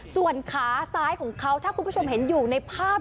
ส่วนขาซ้ายของเขาถ้าคุณผู้ชมเห็นอยู่ในภาพ